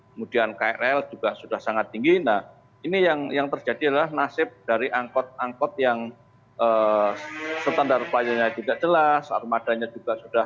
kemudian krl juga sudah sangat tinggi nah ini yang terjadi adalah nasib dari angkot angkot yang standar pelayanannya tidak jelas armadanya juga sudah